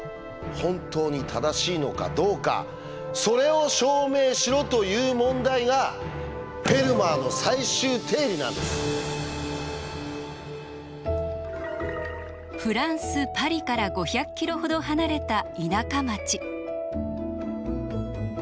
本当に正しいのかどうかそれを証明しろという問題がフランス・パリから５００キロほど離れた田舎町。